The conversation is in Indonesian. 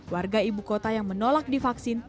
warga ibu kota yang menolak divaksin